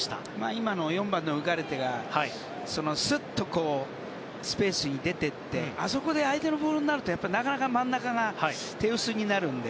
今の４番、ウガルテがスッとスペースに出ていってあそこで、相手のボールになるとなかなか真ん中が手薄になるので。